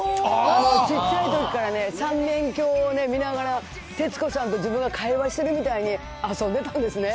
ちっちゃいときからね、三面鏡を見ながら徹子さんと自分が会話してるみたいに遊んでたんですね。